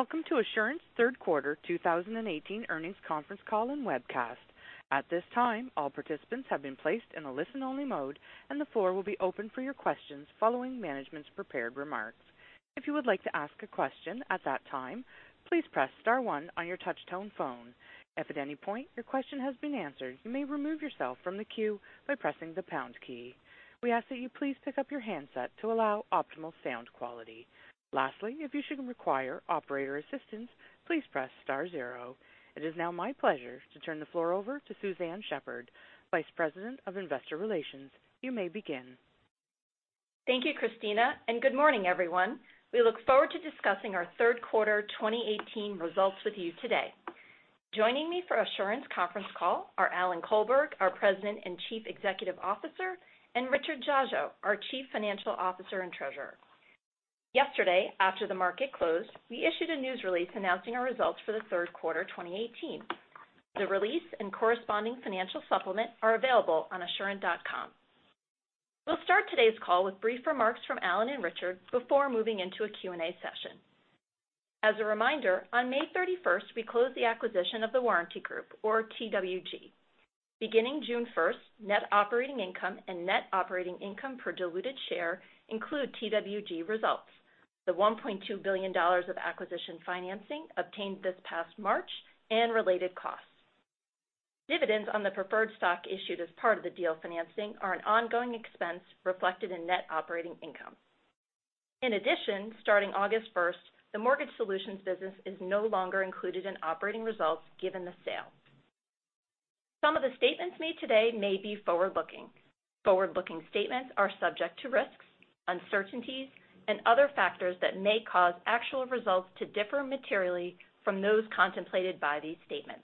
Welcome to Assurant's third quarter 2018 earnings conference call and webcast. At this time, all participants have been placed in a listen-only mode, and the floor will be open for your questions following management's prepared remarks. If you would like to ask a question at that time, please press star one on your touch-tone phone. If at any point your question has been answered, you may remove yourself from the queue by pressing the pound key. We ask that you please pick up your handset to allow optimal sound quality. Lastly, if you should require operator assistance, please press star zero. It is now my pleasure to turn the floor over to Suzanne Shepherd, Vice President of Investor Relations. You may begin. Thank you, Christina, and good morning, everyone. We look forward to discussing our third quarter 2018 results with you today. Joining me for Assurant's conference call are Alan Colberg, our President and Chief Executive Officer, and Richard Dziadzio, our Chief Financial Officer and Treasurer. Yesterday, after the market closed, we issued a news release announcing our results for the third quarter 2018. The release and corresponding financial supplement are available on assurant.com. We will start today's call with brief remarks from Alan and Richard before moving into a Q&A session. As a reminder, on May 31st, we closed the acquisition of The Warranty Group, or TWG. Beginning June 1st, net operating income and net operating income per diluted share include TWG results, the $1.2 billion of acquisition financing obtained this past March, and related costs. Dividends on the preferred stock issued as part of the deal financing are an ongoing expense reflected in net operating income. In addition, starting August 1st, the Mortgage Solutions business is no longer included in operating results given the sale. Some of the statements made today may be forward-looking. Forward-looking statements are subject to risks, uncertainties, and other factors that may cause actual results to differ materially from those contemplated by these statements.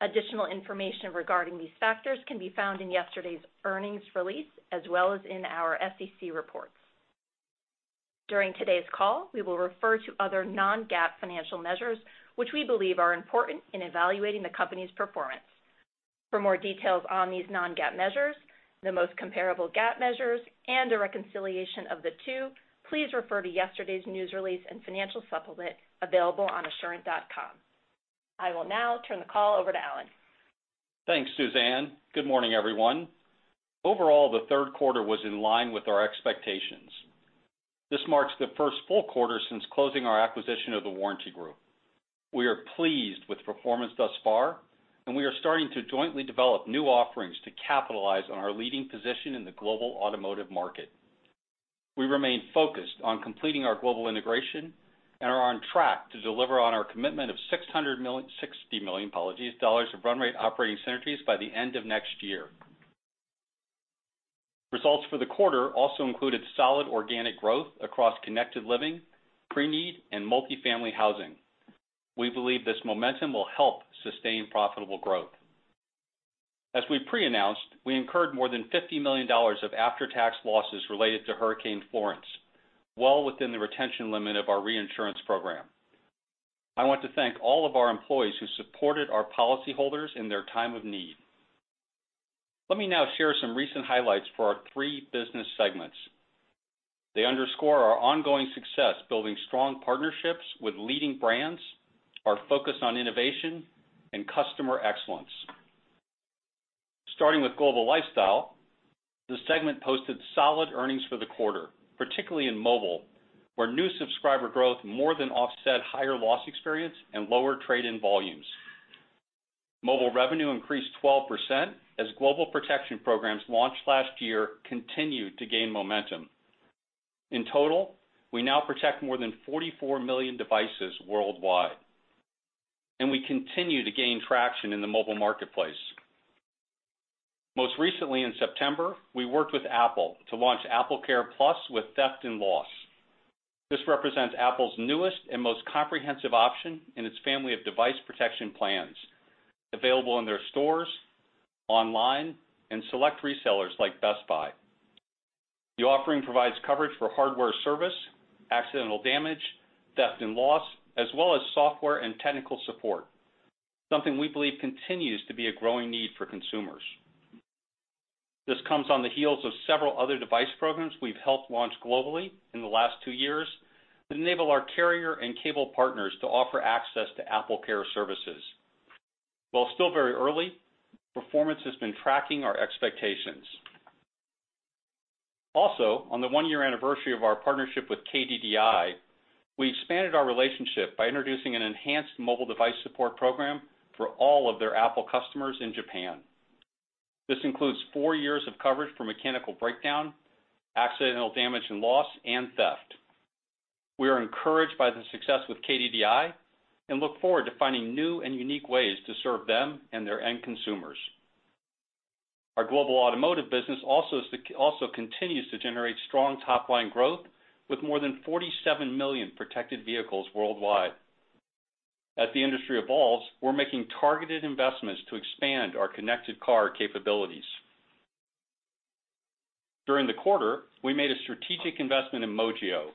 Additional information regarding these factors can be found in yesterday's earnings release, as well as in our SEC reports. During today's call, we will refer to other non-GAAP financial measures which we believe are important in evaluating the company's performance. For more details on these non-GAAP measures, the most comparable GAAP measures, and a reconciliation of the two, please refer to yesterday's news release and financial supplement available on assurant.com. I will now turn the call over to Alan. Thanks, Suzanne. Good morning, everyone. Overall, the third quarter was in line with our expectations. This marks the first full quarter since closing our acquisition of The Warranty Group. We are pleased with performance thus far. We are starting to jointly develop new offerings to capitalize on our leading position in the Global Automotive market. We remain focused on completing our global integration and are on track to deliver on our commitment of $60 million of run rate operating synergies by the end of next year. Results for the quarter also included solid organic growth across Connected Living, Global Preneed, and multifamily housing. We believe this momentum will help sustain profitable growth. As we pre-announced, we incurred more than $50 million of after-tax losses related to Hurricane Florence, well within the retention limit of our reinsurance program. I want to thank all of our employees who supported our policyholders in their time of need. Let me now share some recent highlights for our three business segments. They underscore our ongoing success building strong partnerships with leading brands, our focus on innovation, and customer excellence. Starting with Global Lifestyle, the segment posted solid earnings for the quarter, particularly in mobile, where new subscriber growth more than offset higher loss experience and lower trade-in volumes. Mobile revenue increased 12% as global protection programs launched last year continued to gain momentum. In total, we now protect more than 44 million devices worldwide. We continue to gain traction in the mobile marketplace. Most recently in September, we worked with Apple to launch AppleCare+ with theft and loss. This represents Apple's newest and most comprehensive option in its family of device protection plans, available in their stores, online, and select resellers like Best Buy. The offering provides coverage for hardware service, accidental damage, theft and loss, as well as software and technical support, something we believe continues to be a growing need for consumers. This comes on the heels of several other device programs we've helped launch globally in the last two years that enable our carrier and cable partners to offer access to AppleCare services. While still very early, performance has been tracking our expectations. On the one-year anniversary of our partnership with KDDI, we expanded our relationship by introducing an enhanced mobile device support program for all of their Apple customers in Japan. This includes four years of coverage for mechanical breakdown, accidental damage and loss, and theft. We are encouraged by the success with KDDI and look forward to finding new and unique ways to serve them and their end consumers. Our Global Automotive business also continues to generate strong top-line growth, with more than 47 million protected vehicles worldwide. As the industry evolves, we're making targeted investments to expand our connected car capabilities. During the quarter, we made a strategic investment in Mojio,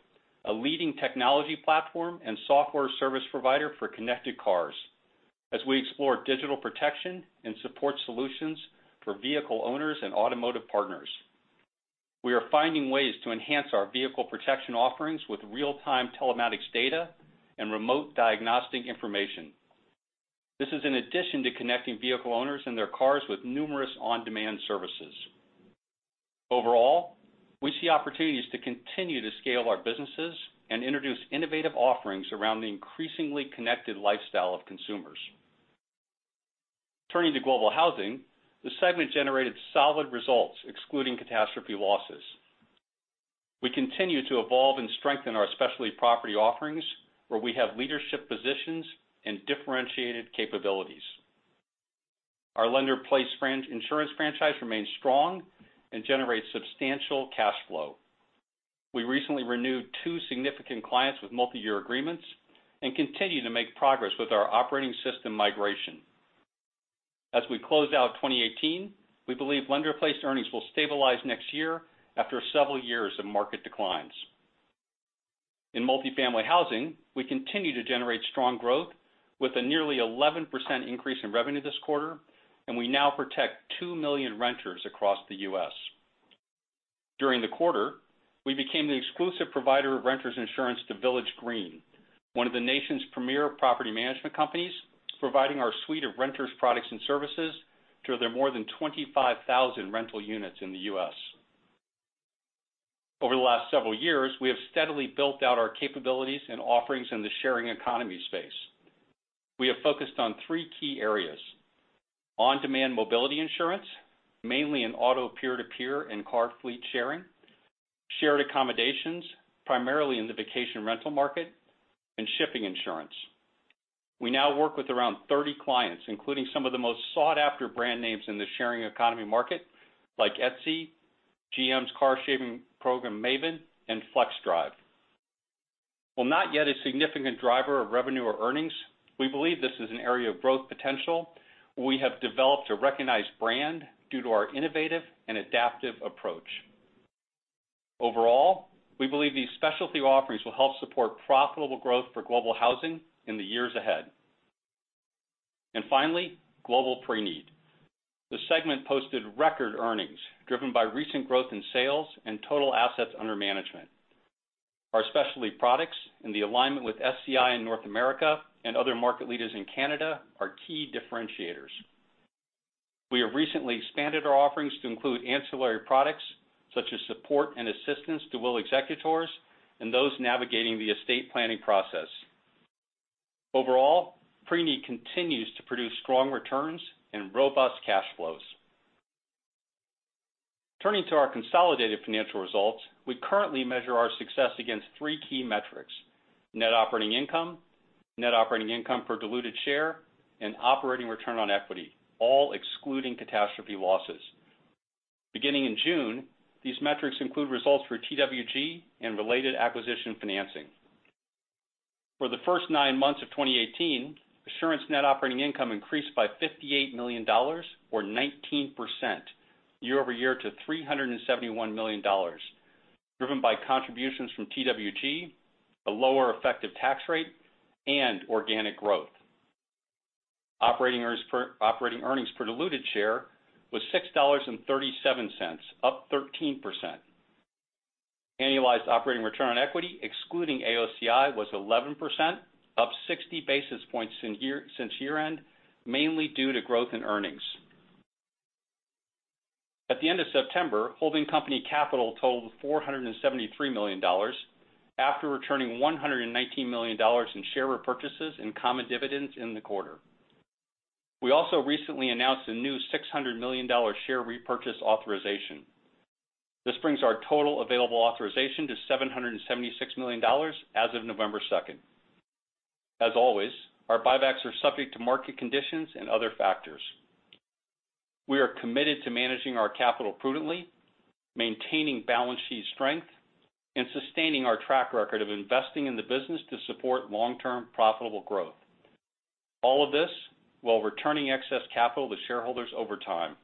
a leading technology platform and software service provider for connected cars as we explore digital protection and support solutions for vehicle owners and automotive partners. We are finding ways to enhance our vehicle protection offerings with real-time telematics data and remote diagnostic information. This is in addition to connecting vehicle owners and their cars with numerous on-demand services. Overall, we see opportunities to continue to scale our businesses and introduce innovative offerings around the increasingly connected lifestyle of consumers. Turning to Global Housing, the segment generated solid results excluding catastrophe losses. We continue to evolve and strengthen our specialty property offerings, where we have leadership positions and differentiated capabilities. Our lender-placed insurance franchise remains strong and generates substantial cash flow. We recently renewed two significant clients with multi-year agreements and continue to make progress with our operating system migration. As we close out 2018, we believe lender-placed earnings will stabilize next year after several years of market declines. In multifamily housing, we continue to generate strong growth with a nearly 11% increase in revenue this quarter, and we now protect 2 million renters across the U.S. During the quarter, we became the exclusive provider of renters insurance to Village Green, one of the nation's premier property management companies, providing our suite of renters products and services to their more than 25,000 rental units in the U.S. Over the last several years, we have steadily built out our capabilities and offerings in the sharing economy space. We have focused on three key areas. On-demand mobility insurance, mainly in auto peer-to-peer and car fleet sharing, shared accommodations, primarily in the vacation rental market, and shipping insurance. We now work with around 30 clients, including some of the most sought-after brand names in the sharing economy market, like Etsy, GM's car sharing program, Maven, and FlexDrive. While not yet a significant driver of revenue or earnings, we believe this is an area of growth potential, where we have developed a recognized brand due to our innovative and adaptive approach. Overall, we believe these specialty offerings will help support profitable growth for Global Housing in the years ahead. Finally, Global Preneed. The segment posted record earnings driven by recent growth in sales and total assets under management. Our specialty products and the alignment with SCI in North America and other market leaders in Canada are key differentiators. We have recently expanded our offerings to include ancillary products such as support and assistance to will executors and those navigating the estate planning process. Overall, Preneed continues to produce strong returns and robust cash flows. Turning to our consolidated financial results, we currently measure our success against three key metrics. Net operating income, net operating income per diluted share, and operating return on equity, all excluding catastrophe losses. Beginning in June, these metrics include results for TWG and related acquisition financing. For the first nine months of 2018, Assurant net operating income increased by $58 million, or 19%, year-over-year to $371 million, driven by contributions from TWG, a lower effective tax rate, and organic growth. Operating earnings per diluted share was $6.37, up 13%. Annualized operating return on equity excluding AOCI was 11%, up 60 basis points since year-end, mainly due to growth in earnings. At the end of September, holding company capital totaled $473 million after returning $119 million in share repurchases and common dividends in the quarter. We also recently announced a new $600 million share repurchase authorization. This brings our total available authorization to $776 million as of November 2nd. As always, our buybacks are subject to market conditions and other factors. We are committed to managing our capital prudently, maintaining balance sheet strength, and sustaining our track record of investing in the business to support long-term profitable growth. All of this while returning excess capital to shareholders over time.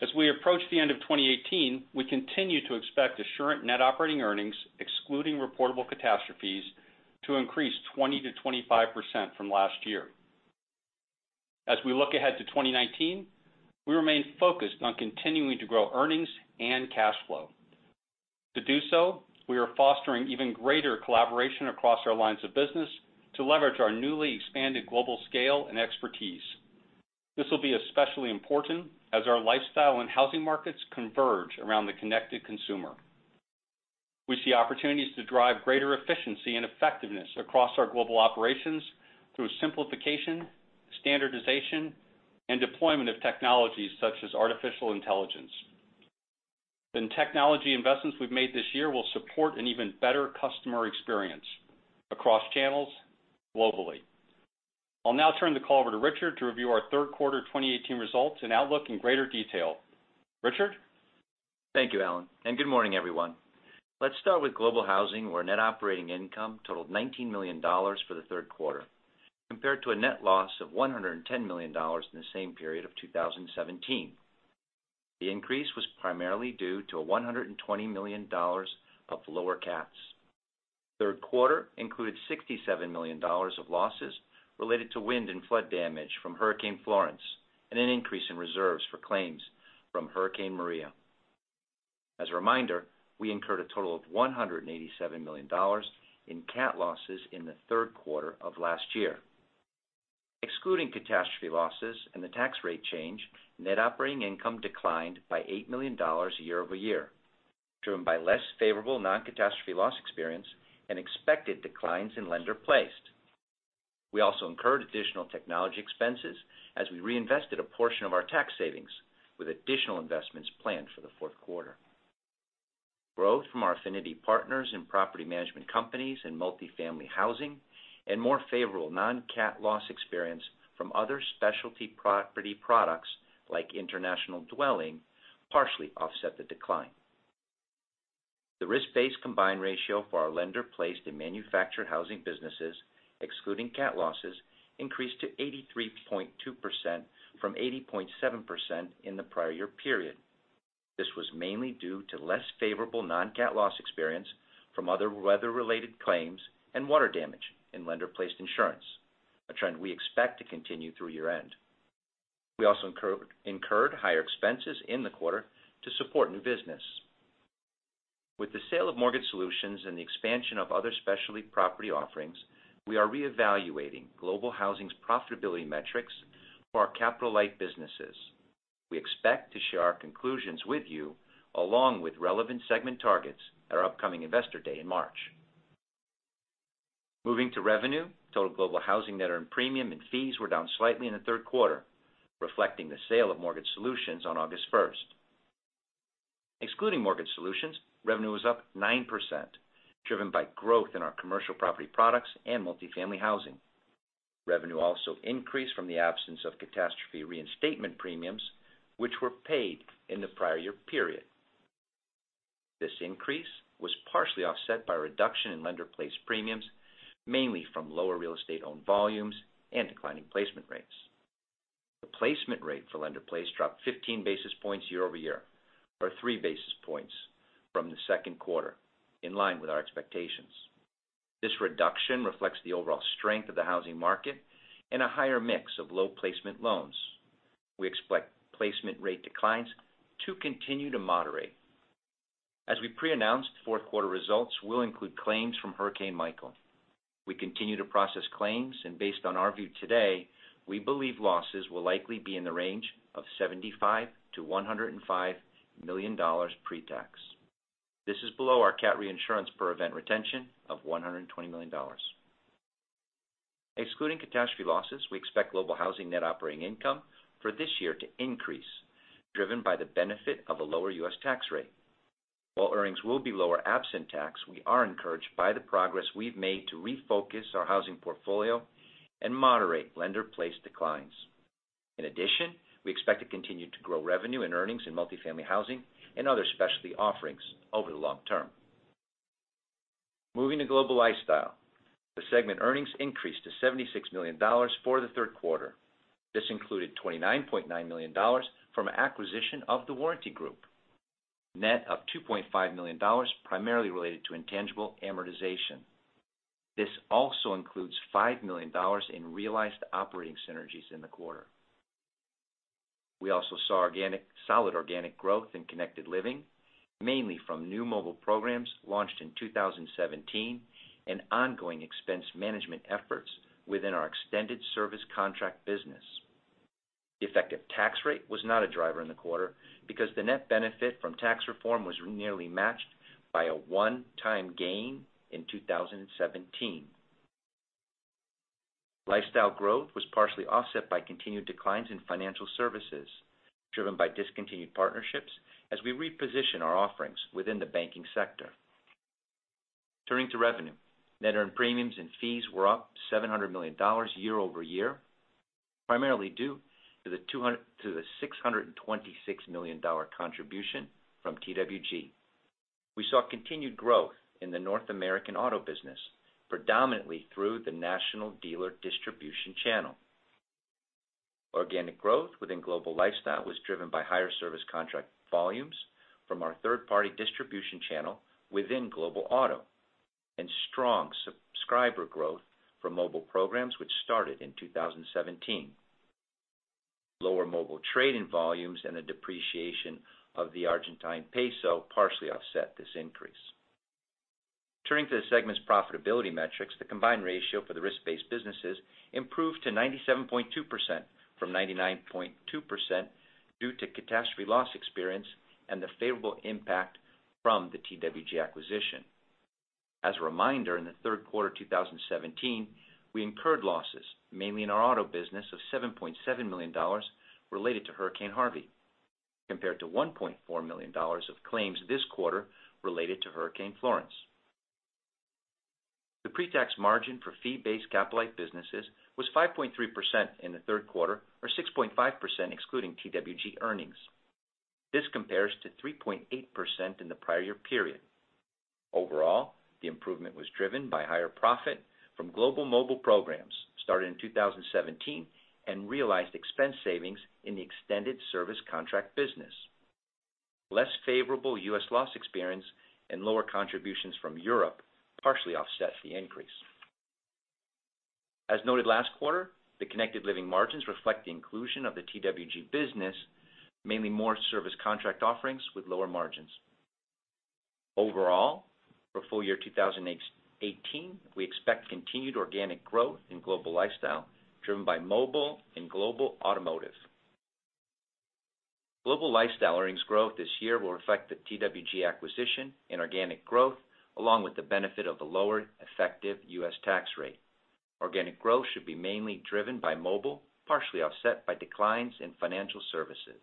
As we approach the end of 2018, we continue to expect Assurant net operating earnings excluding reportable catastrophes to increase 20%-25% from last year. As we look ahead to 2019, we remain focused on continuing to grow earnings and cash flow. To do so, we are fostering even greater collaboration across our lines of business to leverage our newly expanded global scale and expertise. This will be especially important as our lifestyle and housing markets converge around the connected consumer. We see opportunities to drive greater efficiency and effectiveness across our global operations through simplification, standardization, and deployment of technologies such as artificial intelligence. The technology investments we've made this year will support an even better customer experience across channels globally. I'll now turn the call over to Richard to review our third quarter 2018 results and outlook in greater detail. Richard? Thank you, Alan, good morning, everyone. Let's start with Global Housing, where net operating income totaled $19 million for the third quarter, compared to a net loss of $110 million in the same period of 2017. The increase was primarily due to $120 million of lower cats. Third quarter included $67 million of losses related to wind and flood damage from Hurricane Florence and an increase in reserves for claims from Hurricane Maria. As a reminder, we incurred a total of $187 million in cat losses in the third quarter of last year. Excluding catastrophe losses and the tax rate change, net operating income declined by $8 million year-over-year, driven by less favorable non-catastrophe loss experience and expected declines in lender-placed. We also incurred additional technology expenses as we reinvested a portion of our tax savings, with additional investments planned for the fourth quarter. Growth from our affinity partners in property management companies and multifamily housing more favorable non-cat loss experience from other specialty property products like international dwelling partially offset the decline. The risk-based combined ratio for our lender-placed and manufactured housing businesses, excluding cat losses, increased to 83.2% from 80.7% in the prior year period. This was mainly due to less favorable non-cat loss experience from other weather-related claims and water damage in Lender-Placed Insurance, a trend we expect to continue through year-end. We also incurred higher expenses in the quarter to support new business. With the sale of Mortgage Solutions and the expansion of other specialty property offerings, we are reevaluating Global Housing's profitability metrics for our capital-light businesses. We expect to share our conclusions with you along with relevant segment targets at our upcoming Investor Day in March. Moving to revenue, total Global Housing net earned premium and fees were down slightly in the third quarter, reflecting the sale of Mortgage Solutions on August 1st. Excluding Mortgage Solutions, revenue was up 9%, driven by growth in our commercial property products and multifamily housing. Revenue also increased from the absence of catastrophe reinstatement premiums, which were paid in the prior year period. This increase was partially offset by a reduction in lender-placed premiums, mainly from lower real estate-owned volumes and declining placement rates. The placement rate for lender-placed dropped 15 basis points year-over-year, or three basis points from the second quarter, in line with our expectations. This reduction reflects the overall strength of the housing market and a higher mix of low-placement loans. We expect placement rate declines to continue to moderate. As we pre-announced, fourth quarter results will include claims from Hurricane Michael. Based on our view today, we believe losses will likely be in the range of $75 million-$105 million pre-tax. This is below our CAT reinsurance per event retention of $120 million. Excluding catastrophe losses, we expect Global Housing net operating income for this year to increase, driven by the benefit of a lower U.S. tax rate. While earnings will be lower absent tax, we are encouraged by the progress we've made to refocus our housing portfolio and moderate Lender-Placed declines. In addition, we expect to continue to grow revenue and earnings in multifamily housing and other specialty offerings over the long term. Moving to Global Lifestyle. The segment earnings increased to $76 million for the third quarter. This included $29.9 million from acquisition of The Warranty Group, net of $2.5 million, primarily related to intangible amortization. This also includes $5 million in realized operating synergies in the quarter. We also saw solid organic growth in Connected Living, mainly from new mobile programs launched in 2017 and ongoing expense management efforts within our extended service contract business. The effective tax rate was not a driver in the quarter because the net benefit from tax reform was nearly matched by a one-time gain in 2017. Lifestyle growth was partially offset by continued declines in financial services, driven by discontinued partnerships as we reposition our offerings within the banking sector. Turning to revenue, net earned premiums and fees were up $700 million year-over-year, primarily due to the $626 million contribution from TWG. We saw continued growth in the North American auto business, predominantly through the national dealer distribution channel. Organic growth within Global Lifestyle was driven by higher service contract volumes from our third-party distribution channel within Global Automotive and strong subscriber growth from mobile programs, which started in 2017. Lower mobile trade-in volumes and a depreciation of the Argentine peso partially offset this increase. Turning to the segment's profitability metrics, the combined ratio for the risk-based businesses improved to 97.2% from 99.2% due to catastrophe loss experience and the favorable impact from the TWG acquisition. As a reminder, in the third quarter of 2017, we incurred losses, mainly in our auto business of $7.7 million related to Hurricane Harvey, compared to $1.4 million of claims this quarter related to Hurricane Florence. The pre-tax margin for fee-based capital-light businesses was 5.3% in the third quarter or 6.5% excluding TWG earnings. This compares to 3.8% in the prior year period. Overall, the improvement was driven by higher profit from global mobile programs started in 2017 and realized expense savings in the extended service contract business. Less favorable U.S. loss experience and lower contributions from Europe partially offset the increase. As noted last quarter, the Connected Living margins reflect the inclusion of the TWG business, mainly more service contract offerings with lower margins. Overall, for full year 2018, we expect continued organic growth in Global Lifestyle, driven by mobile and Global Automotive. Global Lifestyle earnings growth this year will reflect the TWG acquisition and organic growth, along with the benefit of a lower effective U.S. tax rate. Organic growth should be mainly driven by mobile, partially offset by declines in financial services.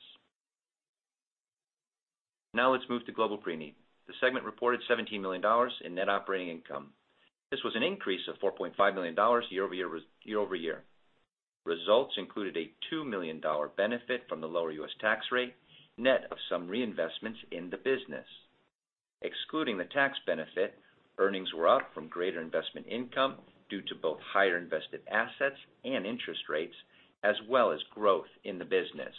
Now let's move to Global Preneed. The segment reported $17 million in net operating income. This was an increase of $4.5 million year-over-year. Results included a $2 million benefit from the lower U.S. tax rate, net of some reinvestments in the business. Excluding the tax benefit, earnings were up from greater investment income due to both higher invested assets and interest rates, as well as growth in the business.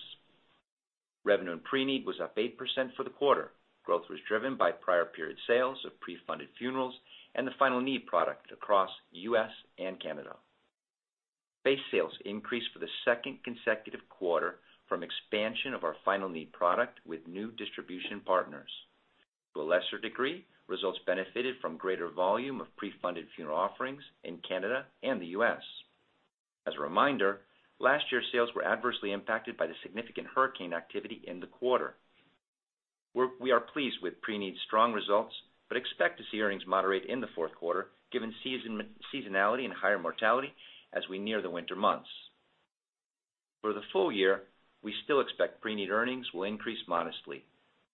Revenue in Preneed was up 8% for the quarter. Growth was driven by prior period sales of pre-funded funerals and the final need product across U.S. and Canada. Base sales increased for the second consecutive quarter from expansion of our final need product with new distribution partners. To a lesser degree, results benefited from greater volume of pre-funded funeral offerings in Canada and the U.S. As a reminder, last year's sales were adversely impacted by the significant hurricane activity in the quarter. We are pleased with Preneed's strong results, but expect to see earnings moderate in the fourth quarter, given seasonality and higher mortality as we near the winter months. For the full year, we still expect Preneed earnings will increase modestly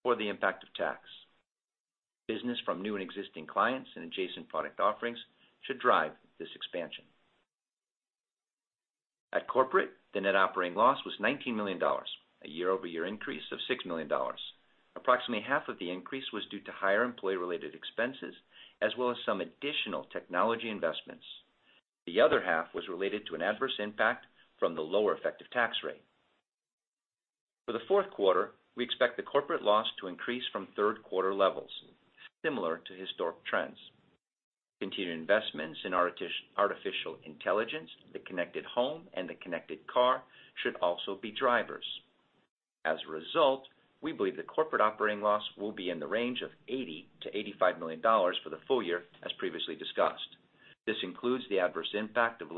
for the impact of tax. Business from new and existing clients and adjacent product offerings should drive this expansion. At corporate, the net operating loss was $19 million, a year-over-year increase of $6 million. Approximately half of the increase was due to higher employee-related expenses, as well as some additional technology investments. The other half was related to an adverse impact from the lower effective tax rate. For the fourth quarter, we expect the corporate loss to increase from third quarter levels, similar to historic trends. Continued investments in artificial intelligence, the connected home, and the connected car should also be drivers. We believe the corporate operating loss will be in the range of $80 million to $85 million for the full year, as previously discussed. This includes the adverse impact of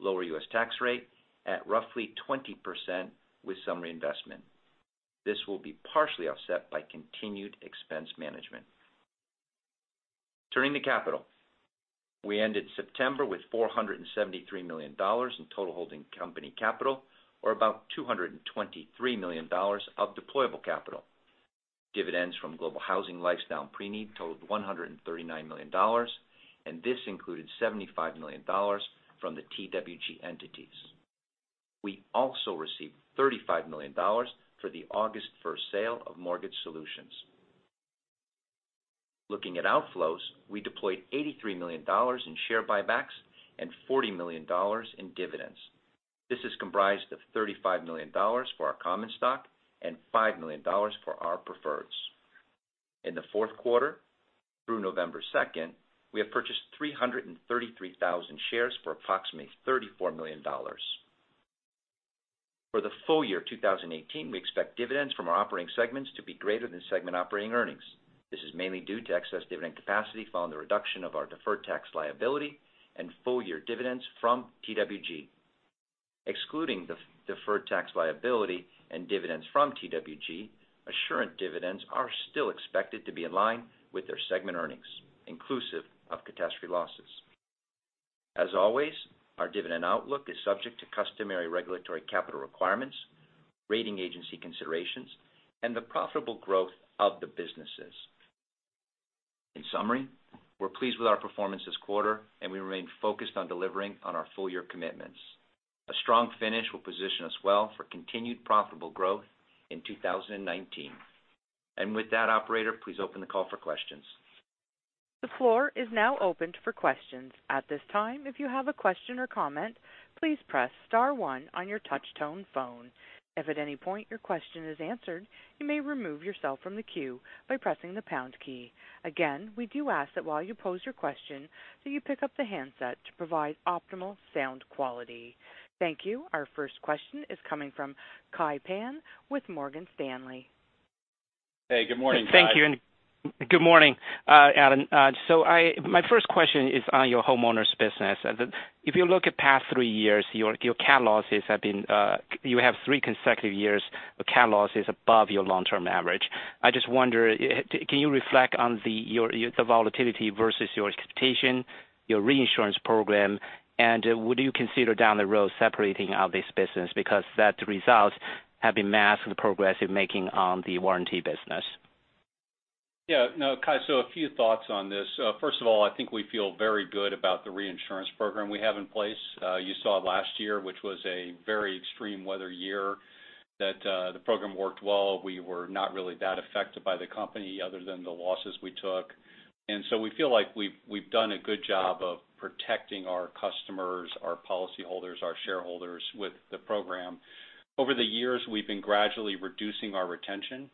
lower U.S. tax rate at roughly 20% with some reinvestment. This will be partially offset by continued expense management. Turning to capital. We ended September with $473 million in total holding company capital, or about $223 million of deployable capital. Dividends from Global Housing, Lifestyle, and Preneed totaled $139 million, and this included $75 million from the TWG entities. We also received $35 million for the August 1 sale of Mortgage Solutions. Looking at outflows, we deployed $83 million in share buybacks and $40 million in dividends. This is comprised of $35 million for our common stock and $5 million for our preferreds. In the fourth quarter through November 2nd, we have purchased 333,000 shares for approximately $34 million. For the full year 2018, we expect dividends from our operating segments to be greater than segment operating earnings. This is mainly due to excess dividend capacity following the reduction of our deferred tax liability and full-year dividends from TWG. Excluding the deferred tax liability and dividends from TWG, Assurant dividends are still expected to be in line with their segment earnings, inclusive of catastrophe losses. Our dividend outlook is subject to customary regulatory capital requirements, rating agency considerations, and the profitable growth of the businesses. We're pleased with our performance this quarter, and we remain focused on delivering on our full-year commitments. A strong finish will position us well for continued profitable growth in 2019. With that, operator, please open the call for questions. The floor is now open for questions. At this time, if you have a question or comment, please press star 1 on your touch-tone phone. If at any point your question is answered, you may remove yourself from the queue by pressing the # key. Again, we do ask that while you pose your question that you pick up the handset to provide optimal sound quality. Thank you. Our first question is coming from Kai Pan with Morgan Stanley. Hey, good morning, Kai. Thank you. Good morning, Alan. My first question is on your homeowners business. If you look at past three years, you have three consecutive years of CAT losses above your long-term average. I just wonder, can you reflect on the volatility versus your expectation, your reinsurance program, and would you consider down the road separating out this business? Because that result have been masked with the progress you're making on the warranty business. Yeah. No, Kai, a few thoughts on this. First of all, I think we feel very good about the reinsurance program we have in place. You saw last year, which was a very extreme weather year, that the program worked well. We were not really that affected by the company other than the losses we took We feel like we've done a good job of protecting our customers, our policyholders, our shareholders with the program. Over the years, we've been gradually reducing our retention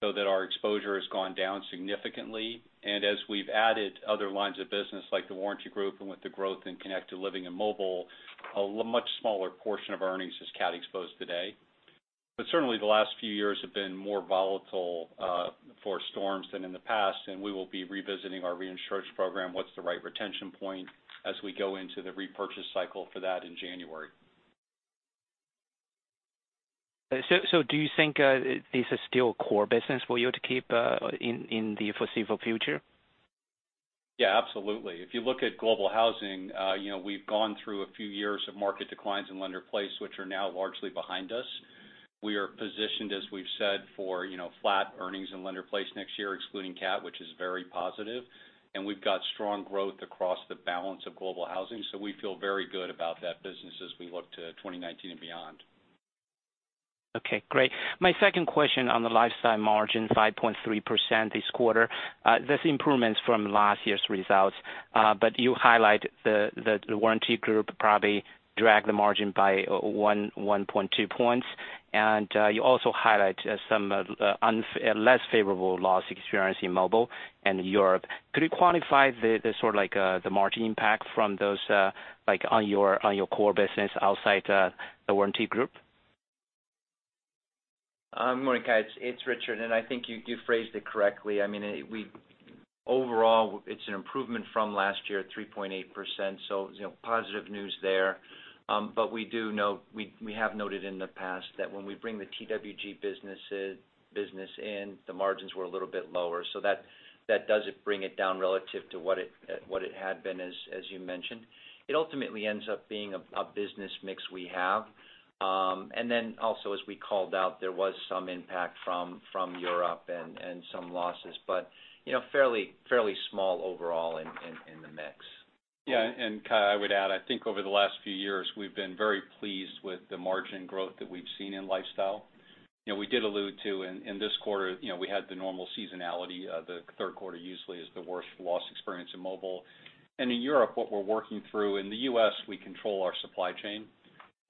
so that our exposure has gone down significantly. As we've added other lines of business, like the Warranty Group and with the growth in Connected Living and mobile, a much smaller portion of earnings is CAT exposed today. Certainly, the last few years have been more volatile for storms than in the past, and we will be revisiting our reinsurance program, what's the right retention point, as we go into the repurchase cycle for that in January. Do you think this is still a core business for you to keep in the foreseeable future? Yeah, absolutely. If you look at Global Housing, we've gone through a few years of market declines in lender-placed, which are now largely behind us. We are positioned, as we've said, for flat earnings in lender-placed next year, excluding CAT, which is very positive. We've got strong growth across the balance of Global Housing, we feel very good about that business as we look to 2019 and beyond. Okay, great. My second question on the lifestyle margin, 5.3% this quarter. That's improvements from last year's results. You highlight the Warranty Group probably dragged the margin by 1.2 points. You also highlight some less favorable loss experience in mobile and Europe. Could you quantify the margin impact from those on your core business outside the Warranty Group? Morning, Kai. It's Richard. I think you phrased it correctly. Overall, it's an improvement from last year, 3.8%. Positive news there. We have noted in the past that when we bring the TWG business in, the margins were a little bit lower. That doesn't bring it down relative to what it had been, as you mentioned. It ultimately ends up being a business mix we have. Also, as we called out, there was some impact from Europe and some losses, but fairly small overall in the mix. Yeah. Kai, I would add, I think over the last few years, we've been very pleased with the margin growth that we've seen in Lifestyle. We did allude to, in this quarter, we had the normal seasonality. The third quarter usually is the worst loss experience in mobile. In Europe, what we're working through, in the U.S., we control our supply chain.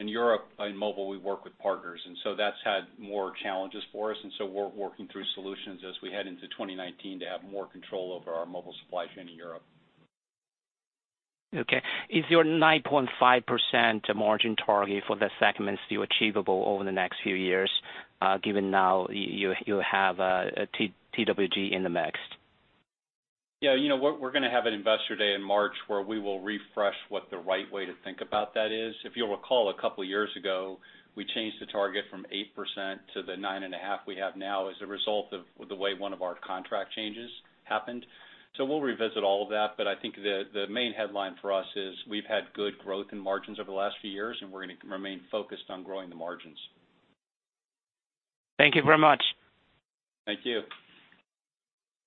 In Europe, in mobile, we work with partners. That's had more challenges for us. We're working through solutions as we head into 2019 to have more control over our mobile supply chain in Europe. Okay. Is your 9.5% margin target for the segment still achievable over the next few years, given now you have TWG in the mix? Yeah, we're going to have an Investor Day in March where we will refresh what the right way to think about that is. If you'll recall, a couple of years ago, we changed the target from 8% to the 9.5% we have now as a result of the way one of our contract changes happened. We'll revisit all of that, but I think the main headline for us is we've had good growth in margins over the last few years, and we're going to remain focused on growing the margins. Thank you very much. Thank you.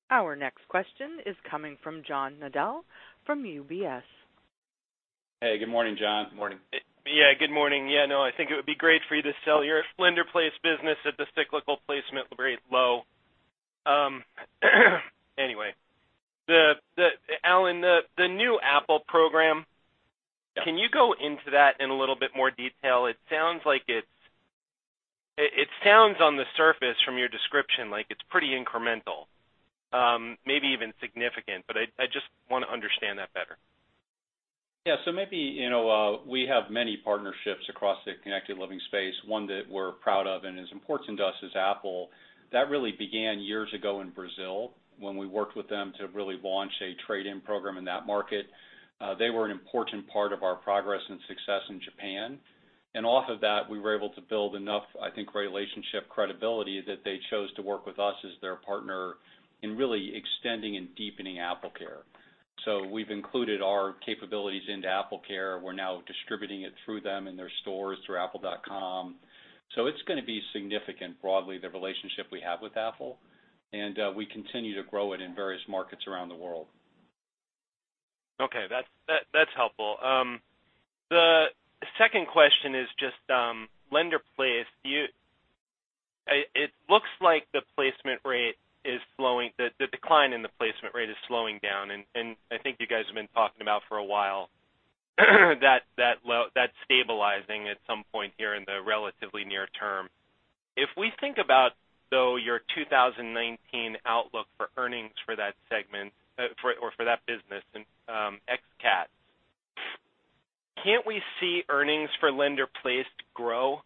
Our next question is coming from John Nadel from UBS. Hey, good morning, John. Morning. Yeah, good morning. Yeah, no, I think it would be great for you to sell your lender-placed business at the cyclical placement rate low. Anyway. Alan, the new Apple program- Yeah. Can you go into that in a little bit more detail? It sounds on the surface, from your description, like it's pretty incremental, maybe even significant, I just want to understand that better. Yeah. Maybe, we have many partnerships across the Connected Living space. One that we're proud of and is important to us is Apple. That really began years ago in Brazil when we worked with them to really launch a trade-in program in that market. Off of that, we were able to build enough, I think, relationship credibility that they chose to work with us as their partner in really extending and deepening AppleCare. We've included our capabilities into AppleCare. We're now distributing it through them in their stores, through apple.com. It's going to be significant broadly, the relationship we have with Apple, and we continue to grow it in various markets around the world. Okay. That's helpful. The second question is just lender-placed. It looks like the decline in the placement rate is slowing down, I think you guys have been talking about for a while that stabilizing at some point here in the relatively near term. If we think about, though, your 2019 outlook for earnings for that segment or for that business, ex CAT, can't we see earnings for lender-placed grow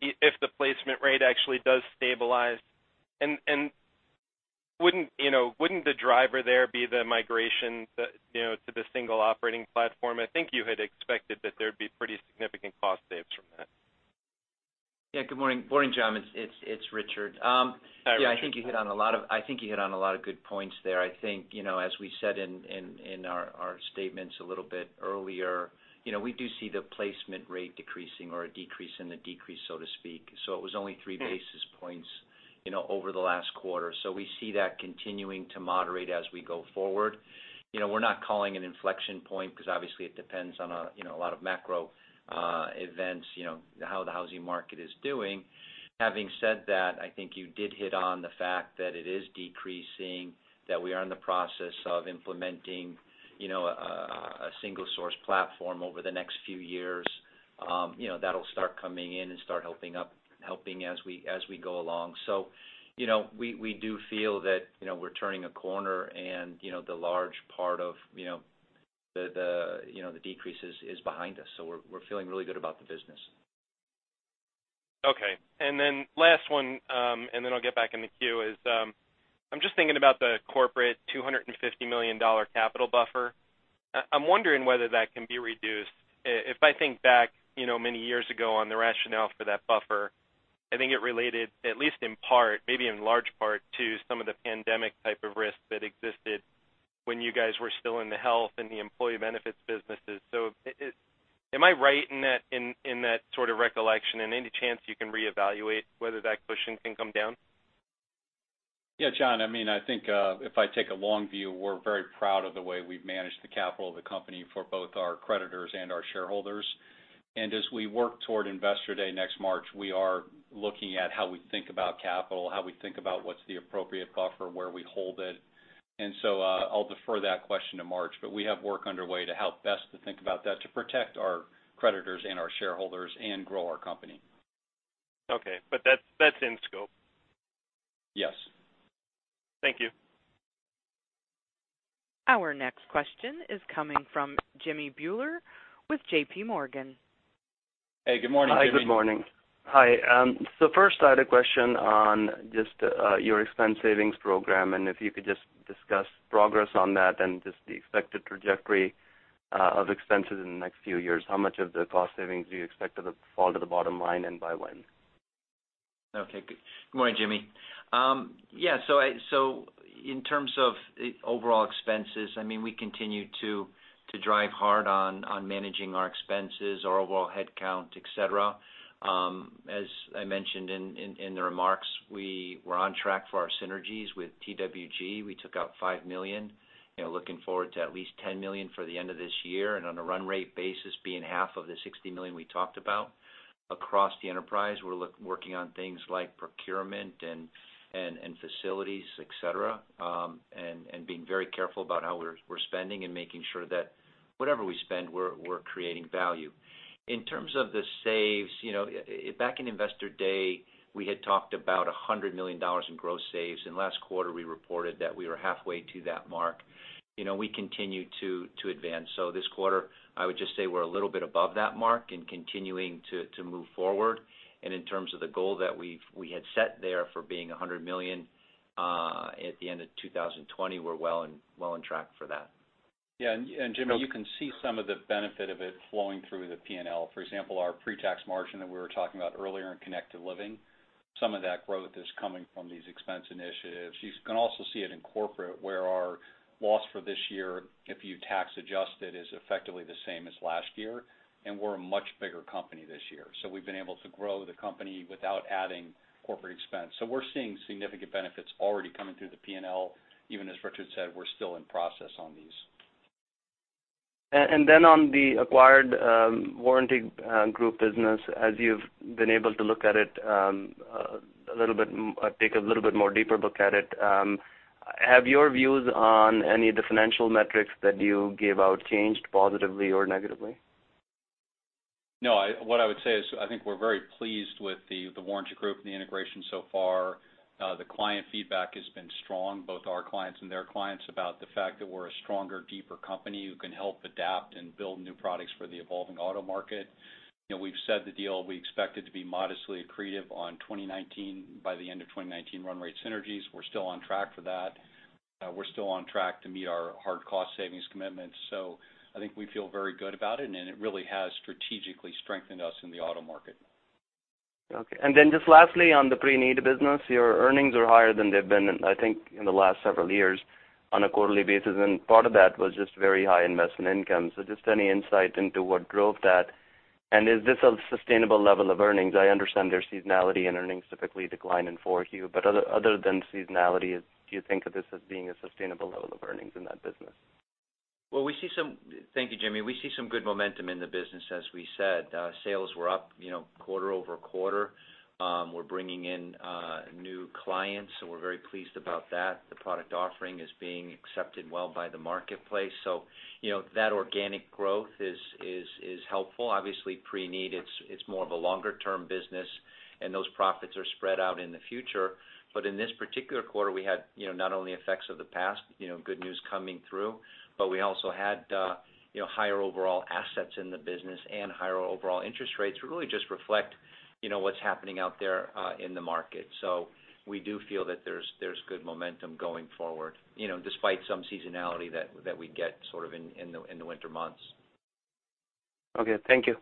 if the placement rate actually does stabilize? Wouldn't the driver there be the migration to the single operating platform? I think you had expected that there'd be pretty significant cost saves from that. Yeah. Good morning, John. It's Richard. Hi, Richard. Yeah, I think you hit on a lot of good points there. I think, as we said in our statements a little bit earlier, we do see the placement rate decreasing or a decrease in the decrease, so to speak. It was only three basis points over the last quarter. We see that continuing to moderate as we go forward. We're not calling it inflection point because obviously it depends on a lot of macro events, how the housing market is doing. Having said that, I think you did hit on the fact that it is decreasing, that we are in the process of implementing a single source platform over the next few years. That'll start coming in and start helping as we go along. We do feel that we're turning a corner and the large part of the decreases is behind us. We're feeling really good about the business. Okay. Last one, then I'll get back in the queue, is I'm just thinking about the corporate $250 million capital buffer. I'm wondering whether that can be reduced. If I think back many years ago on the rationale for that buffer, I think it related, at least in part, maybe in large part, to some of the pandemic type of risks that existed when you guys were still in the health and the employee benefits businesses. Am I right in that sort of recollection, and any chance you can reevaluate whether that cushion can come down? Yeah, John, I think if I take a long view, we're very proud of the way we've managed the capital of the company for both our creditors and our shareholders. As we work toward Investor Day next March, we are looking at how we think about capital, how we think about what's the appropriate buffer, where we hold it. I'll defer that question to March. We have work underway to help best to think about that, to protect our creditors and our shareholders and grow our company. Okay. That's in scope? Yes. Thank you. Our next question is coming from Jimmy Bhullar with J.P. Morgan. Hey, good morning, Jimmy. Hi, good morning. Hi. First, I had a question on just your expense savings program, and if you could just discuss progress on that and just the expected trajectory of expenses in the next few years. How much of the cost savings do you expect to fall to the bottom line, and by when? Okay. Good morning, Jimmy. In terms of overall expenses, we continue to drive hard on managing our expenses, our overall headcount, et cetera. As I mentioned in the remarks, we were on track for our synergies with TWG. We took out $5 million, looking forward to at least $10 million for the end of this year, and on a run rate basis, being half of the $60 million we talked about. Across the enterprise, we're working on things like procurement and facilities, et cetera, and being very careful about how we're spending and making sure that whatever we spend, we're creating value. In terms of the saves, back in Investor Day, we had talked about $100 million in gross saves, and last quarter we reported that we were halfway to that mark. We continue to advance. This quarter, I would just say we're a little bit above that mark and continuing to move forward. In terms of the goal that we had set there for being $100 million at the end of 2020, we're well on track for that. Yeah. Jimmy, you can see some of the benefit of it flowing through the P&L. For example, our pre-tax margin that we were talking about earlier in Connected Living, some of that growth is coming from these expense initiatives. You can also see it in corporate, where our loss for this year, if you tax-adjust it, is effectively the same as last year, and we're a much bigger company this year. We've been able to grow the company without adding corporate expense. We're seeing significant benefits already coming through the P&L, even as Richard said, we're still in process on these. Then on the acquired Warranty Group business, as you've been able to take a little bit more deeper look at it, have your views on any of the financial metrics that you gave out changed positively or negatively? No, what I would say is I think we're very pleased with The Warranty Group and the integration so far. The client feedback has been strong, both our clients and their clients, about the fact that we're a stronger, deeper company who can help adapt and build new products for the evolving auto market. We've said the deal, we expect it to be modestly accretive on 2019, by the end of 2019 run rate synergies. We're still on track for that. We're still on track to meet our hard cost savings commitments. I think we feel very good about it, and it really has strategically strengthened us in the auto market. Okay. Lastly, on the pre-need business, your earnings are higher than they've been, I think, in the last several years on a quarterly basis, and part of that was just very high investment income. Just any insight into what drove that, and is this a sustainable level of earnings? I understand there's seasonality in earnings typically decline in 4Q, but other than seasonality, do you think of this as being a sustainable level of earnings in that business? Thank you, Jimmy. We see some good momentum in the business, as we said. Sales were up quarter-over-quarter. We're bringing in new clients, so we're very pleased about that. The product offering is being accepted well by the marketplace. That organic growth is helpful. Obviously, pre-need, it's more of a longer-term business, and those profits are spread out in the future. In this particular quarter, we had not only effects of the past, good news coming through, but we also had higher overall assets in the business and higher overall interest rates, really just reflect what's happening out there in the market. We do feel that there's good momentum going forward, despite some seasonality that we get sort of in the winter months. Okay. Thank you.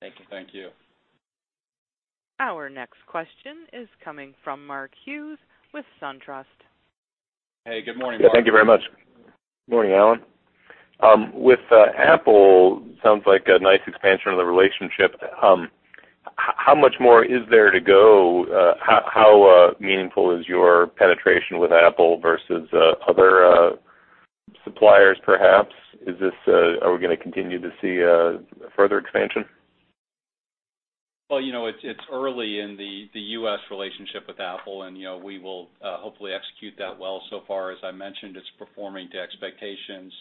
Thank you. Thank you. Our next question is coming from Mark Hughes with SunTrust. Hey, good morning, Mark. Thank you very much. Good morning, Alan. With Apple, sounds like a nice expansion of the relationship. How much more is there to go? How meaningful is your penetration with Apple versus other suppliers, perhaps? Are we going to continue to see a further expansion? Well, it's early in the U.S. relationship with Apple, we will hopefully execute that well. So far, as I mentioned, it's performing to expectations.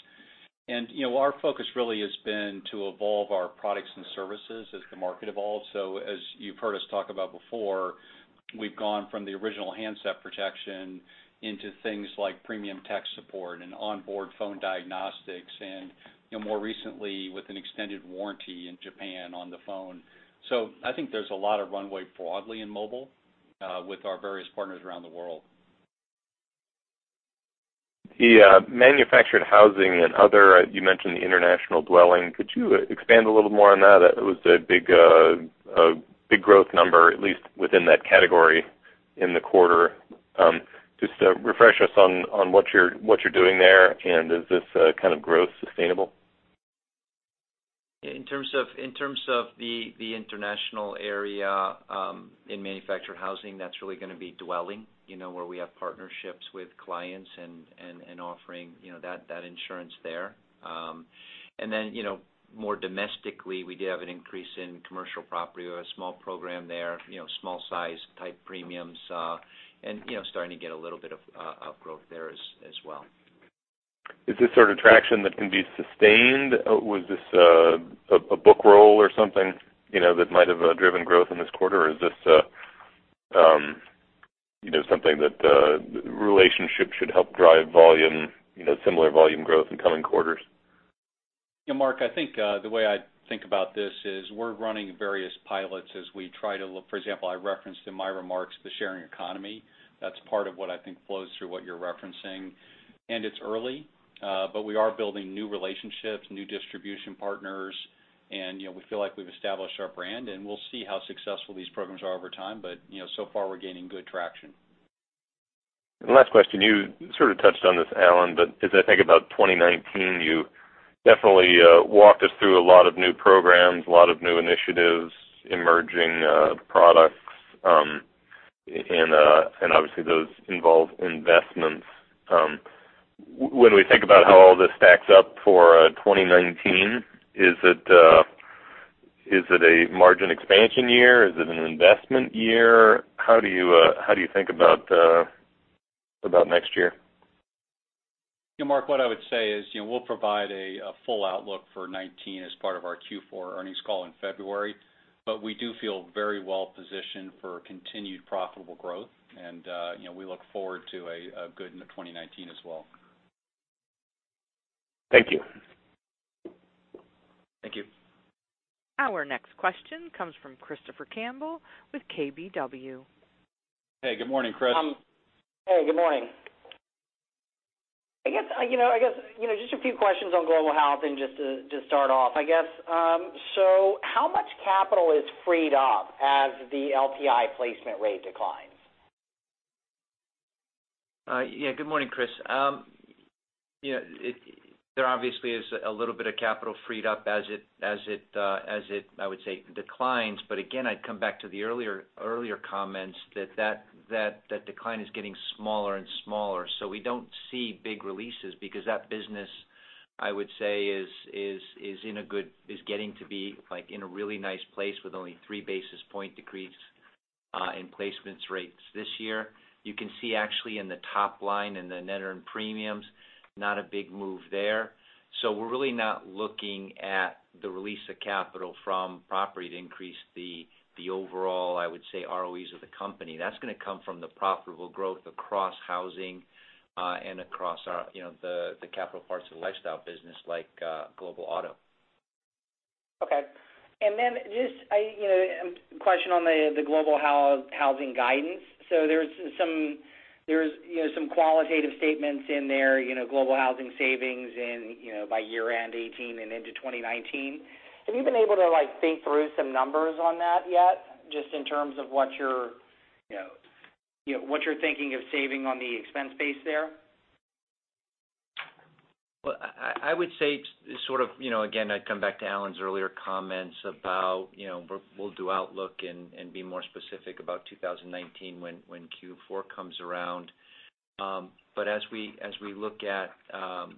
Our focus really has been to evolve our products and services as the market evolves. As you've heard us talk about before, we've gone from the original handset protection into things like premium tech support and onboard phone diagnostics, and more recently, with an extended warranty in Japan on the phone. I think there's a lot of runway broadly in mobile with our various partners around the world. The manufactured housing and other, you mentioned the international dwelling. Could you expand a little more on that? It was a big growth number, at least within that category in the quarter. Just refresh us on what you're doing there, and is this kind of growth sustainable? In terms of the international area in manufactured housing, that's really going to be dwelling, where we have partnerships with clients and offering that insurance there. Then, more domestically, we did have an increase in commercial property. We have a small program there, small size type premiums, and starting to get a little bit of up growth there as well. Is this sort of traction that can be sustained? Was this a book roll or something that might have driven growth in this quarter? Is this something that relationships should help drive similar volume growth in coming quarters? Mark, I think the way I think about this is we're running various pilots as we try to look. For example, I referenced in my remarks the sharing economy. That's part of what I think flows through what you're referencing. It's early, but we are building new relationships, new distribution partners, and we feel like we've established our brand, and we'll see how successful these programs are over time. So far, we're gaining good traction. Last question, you sort of touched on this, Alan, but as I think about 2019, you definitely walked us through a lot of new programs, a lot of new initiatives, emerging products, and obviously those involve investments. When we think about how all this stacks up for 2019, is it a margin expansion year? Is it an investment year? How do you think about next year? Mark, what I would say is we'll provide a full outlook for 2019 as part of our Q4 earnings call in February, but we do feel very well positioned for continued profitable growth and we look forward to a good 2019 as well. Thank you. Thank you. Our next question comes from Christopher Campbell with KBW. Hey, good morning, Chris. Hey, good morning. I guess, just a few questions on Global Housing and just to start off, I guess. How much capital is freed up as the LPI placement rate declines? Yeah. Good morning, Chris. There obviously is a little bit of capital freed up as it, I would say, declines. Again, I'd come back to the earlier comments that that decline is getting smaller and smaller, so we don't see big releases because that business, I would say, is getting to be in a really nice place with only 3 basis points decrease in placements rates this year. You can see actually in the top line in the net earned premiums, not a big move there. We're really not looking at the release of capital from property to increase the overall, I would say, ROEs of the company. That's going to come from the profitable growth across housing, and across the capital parts of the Lifestyle business, like Global Auto. Okay. Just a question on the Global Housing guidance. There's some qualitative statements in there, Global Housing savings by year-end 2018 and into 2019. Have you been able to think through some numbers on that yet, just in terms of what you're thinking of saving on the expense base there? Well, I would say, again, I'd come back to Alan's earlier comments about we'll do outlook and be more specific about 2019 when Q4 comes around. As we look at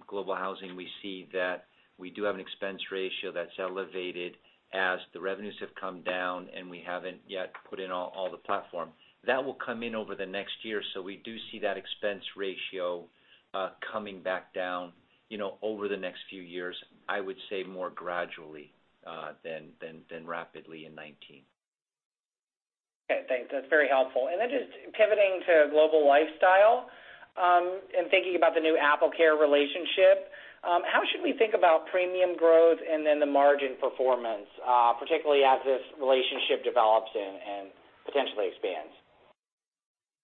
Global Housing, we see that we do have an expense ratio that's elevated as the revenues have come down and we haven't yet put in all the platform. That will come in over the next year or so. We do see that expense ratio coming back down over the next few years, I would say more gradually than rapidly in 2019. Okay, thanks. That's very helpful. Just pivoting to Global Lifestyle, and thinking about the new AppleCare relationship. How should we think about premium growth and then the margin performance, particularly as this relationship develops and potentially expands?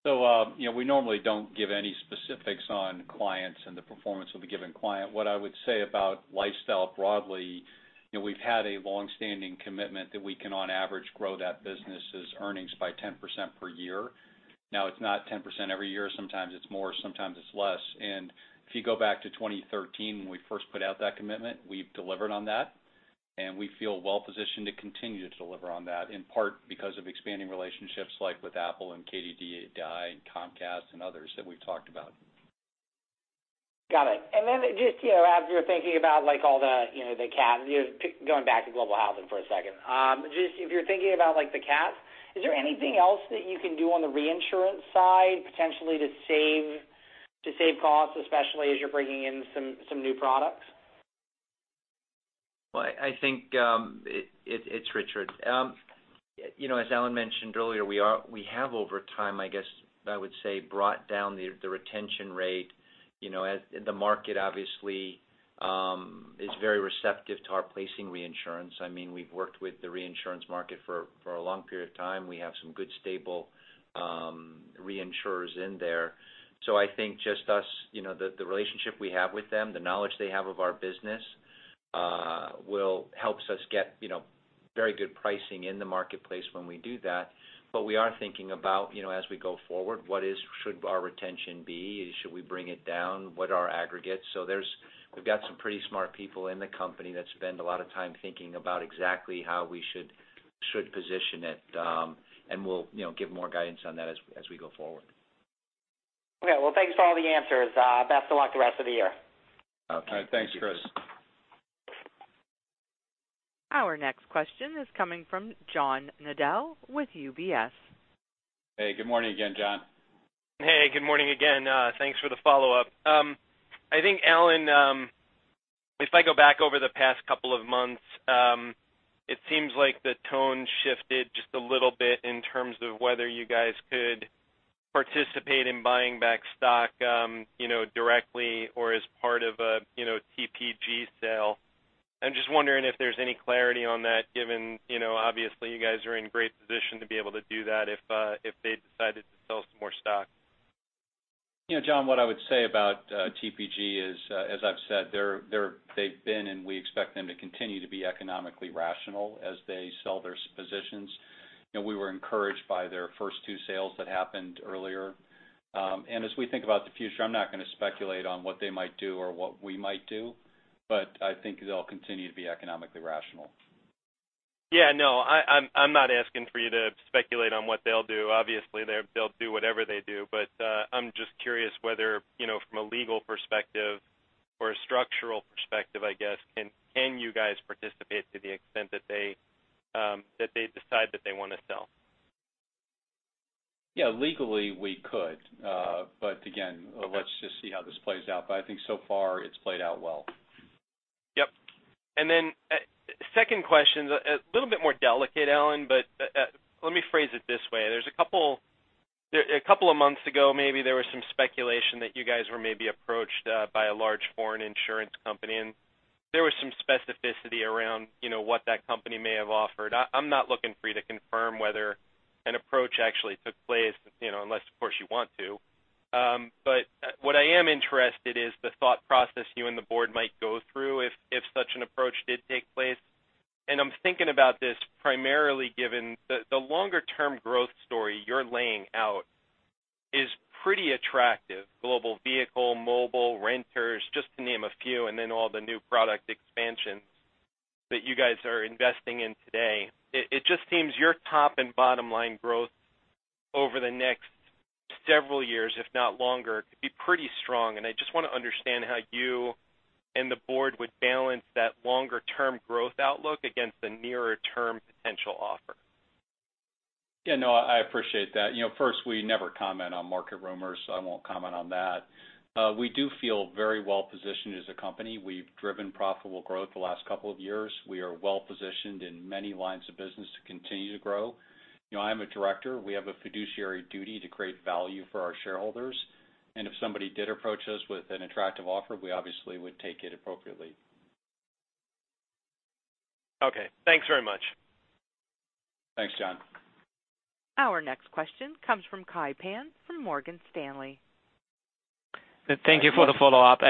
We normally don't give any specifics on clients and the performance of a given client. What I would say about Global Lifestyle broadly, we've had a long-standing commitment that we can on average grow that business' earnings by 10% per year. Now, it's not 10% every year. Sometimes it's more, sometimes it's less. If you go back to 2013 when we first put out that commitment, we've delivered on that, and we feel well-positioned to continue to deliver on that, in part because of expanding relationships like with Apple and KDDI and Comcast and others that we've talked about. Got it. Just as you're thinking about all the CAT, going back to Global Housing for a second. If you're thinking about the CAT, is there anything else that you can do on the reinsurance side potentially to save costs, especially as you're bringing in some new products? Well, I think, it's Richard. As Alan mentioned earlier, we have over time, I guess I would say, brought down the retention rate. The market obviously is very receptive to our placing reinsurance. We've worked with the reinsurance market for a long period of time. We have some good stable reinsurers in there. I think just us, the relationship we have with them, the knowledge they have of our business helps us get very good pricing in the marketplace when we do that. We are thinking about, as we go forward, what should our retention be? Should we bring it down? What are aggregates? We've got some pretty smart people in the company that spend a lot of time thinking about exactly how we should position it. We'll give more guidance on that as we go forward. Okay. Well, thanks for all the answers. Best of luck the rest of the year. Okay. All right. Thanks, Chris. Our next question is coming from John Nadel with UBS. Hey, good morning again, John. Hey, good morning again. Thanks for the follow-up. I think, Alan, if I go back over the past couple of months, it seems like the tone shifted just a little bit in terms of whether you guys could participate in buying back stock directly or as part of a TPG sale. I'm just wondering if there's any clarity on that, given obviously you guys are in great position to be able to do that if they decided to sell some more stock. John, what I would say about TPG is as I've said, they've been, and we expect them to continue to be economically rational as they sell their positions. We were encouraged by their first two sales that happened earlier. As we think about the future, I'm not going to speculate on what they might do or what we might do, but I think they'll continue to be economically rational. Yeah, I'm not asking for you to speculate on what they'll do. Obviously, they'll do whatever they do. I'm just curious whether from a legal perspective or a structural perspective, I guess, can you guys participate to the extent that they decide that they want to sell? Legally we could. Again, let's just see how this plays out. I think so far it's played out well. Yep. Second question, a little bit more delicate, Alan, let me phrase it this way. A couple of months ago, maybe there was some speculation that you guys were maybe approached by a large foreign insurance company, there was some specificity around what that company may have offered. I'm not looking for you to confirm whether an approach actually took place, unless of course you want to. What I am interested is the thought process you and the board might go through if such an approach did take place. I'm thinking about this primarily given the longer term growth story you're laying out is pretty attractive. Global Automotive, Connected Living, Global Housing, just to name a few, all the new product expansions that you guys are investing in today. It just seems your top and bottom line growth over the next several years, if not longer, could be pretty strong. I just want to understand how you and the board would balance that longer term growth outlook against the nearer term potential offer. Yeah, no, I appreciate that. First, we never comment on market rumors, so I won't comment on that. We do feel very well-positioned as a company. We've driven profitable growth the last couple of years. We are well-positioned in many lines of business to continue to grow. I'm a director. We have a fiduciary duty to create value for our shareholders. If somebody did approach us with an attractive offer, we obviously would take it appropriately. Okay, thanks very much. Thanks, John. Our next question comes from Kai Pan from Morgan Stanley. Hi Kai. Thank you for the follow-up.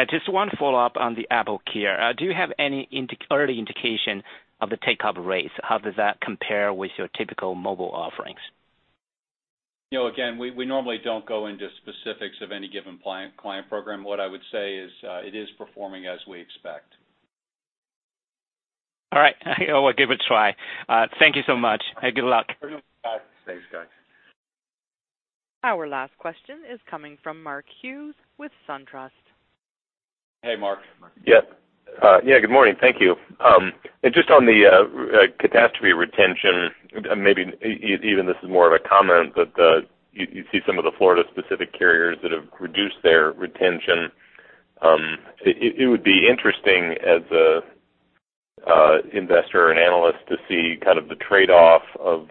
Just one follow-up on the AppleCare. Do you have any early indication of the take-up rates? How does that compare with your typical mobile offerings? Again, we normally don't go into specifics of any given client program. What I would say is it is performing as we expect. All right. I would give a try. Thank you so much. Good luck. Bye. Thanks, guys. Our last question is coming from Mark Hughes with SunTrust. Hey, Mark. Mark. Good morning. Thank you. Just on the catastrophe retention, maybe even this is more of a comment, but you see some of the Florida specific carriers that have reduced their retention. It would be interesting as an investor and analyst to see kind of the trade-off of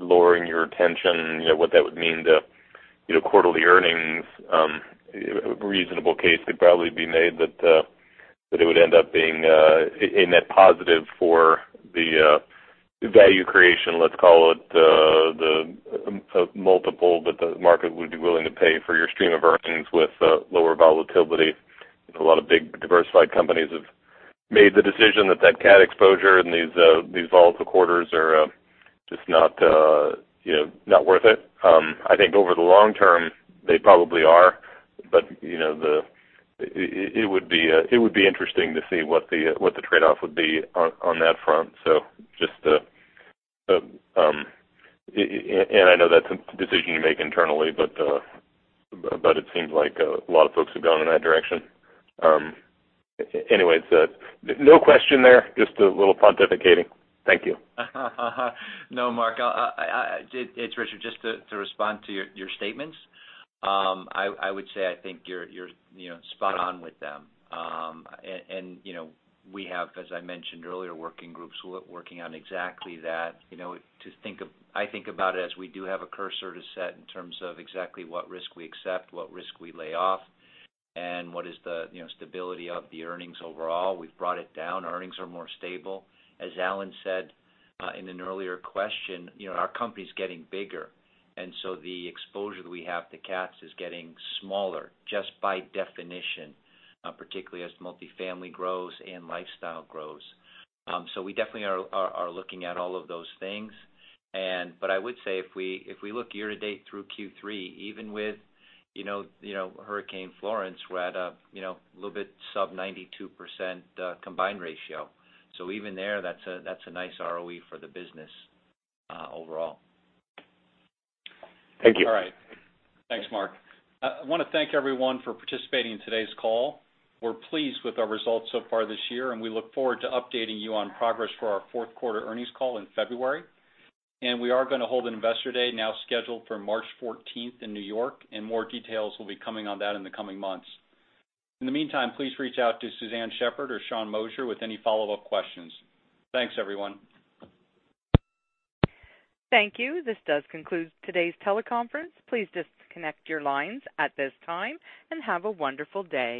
lowering your retention, what that would mean to quarterly earnings. A reasonable case could probably be made that it would end up being a net positive for the value creation, let's call it, the multiple that the market would be willing to pay for your stream of earnings with lower volatility. A lot of big diversified companies have made the decision that that CAT exposure and these volatile quarters are just not worth it. I think over the long term, they probably are. It would be interesting to see what the trade-off would be on that front. I know that's a decision you make internally, but it seems like a lot of folks have gone in that direction. Anyways, no question there, just a little pontificating. Thank you. No, Mark. It's Richard. Just to respond to your statements, I would say I think you're spot on with them. We have, as I mentioned earlier, working groups working on exactly that. I think about it as we do have a cursor to set in terms of exactly what risk we accept, what risk we lay off, and what is the stability of the earnings overall. We've brought it down. Earnings are more stable. As Alan said in an earlier question, our company's getting bigger, and so the exposure that we have to CATs is getting smaller just by definition, particularly as multi-family grows and Global Lifestyle grows. We definitely are looking at all of those things. I would say if we look year-to-date through Q3, even with Hurricane Florence, we're at a little bit sub 92% combined ratio. Even there, that's a nice ROE for the business overall. Thank you. All right. Thanks, Mark. I want to thank everyone for participating in today's call. We are pleased with our results so far this year, and we look forward to updating you on progress for our fourth quarter earnings call in February. We are going to hold an Investor Day now scheduled for March 14th in New York, and more details will be coming on that in the coming months. In the meantime, please reach out to Suzanne Shepherd or Sean Moshier with any follow-up questions. Thanks, everyone. Thank you. This does conclude today's teleconference. Please disconnect your lines at this time, and have a wonderful day.